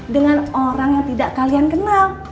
dengan orang yang tidak kalian kenal